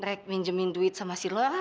nerek minjemin duit sama si laura